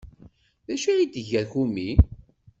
D acu ay d-tga Kumi?